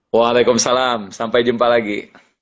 waalaikumsalam sampai jumpa lagi